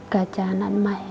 cả cha nặn mẹ